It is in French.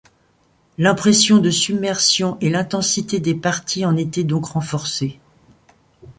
L'impression de submersion et l'intensité des parties en étaient donc renforcées.